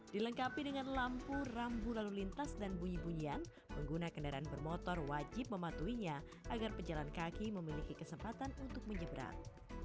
dilengkapi dengan lampu rambu lalu lintas dan bunyi bunyian pengguna kendaraan bermotor wajib mematuhinya agar pejalan kaki memiliki kesempatan untuk menyeberang